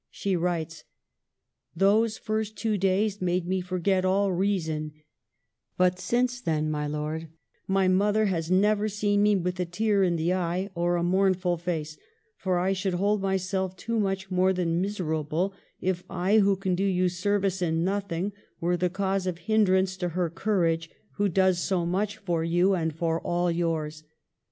She writes :■— "Those first two days made me forget all reason, but since then, my lord, my mother has never seen me with a tear in the eye, or a mournful face ) for I should hold myself too much more than miserable if I, who can do you service in nothing, were the cause of hin drance to her courage, who does so much for you and 6 82 MARGARET OF ANGOULEME. for all yours.